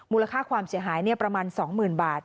มูลค่าความเสียหายประมาณ๒๐๐๐บาท